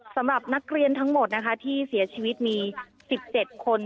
สำหรับนักเรียนทั้งหมดนะคะที่เสียชีวิตมี๑๗คน